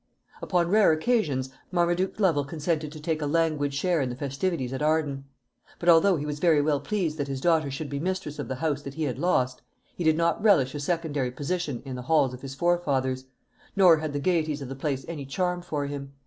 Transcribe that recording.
Upon rare occasions Marmaduke Lovel consented to take a languid share in the festivities at Arden. But although he was very well pleased that his daughter should be mistress of the house that he had lost, he did not relish a secondary position in the halls of his forefathers; nor had the gaieties of the place any charm for him.